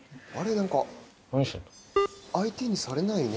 何か相手にされないね。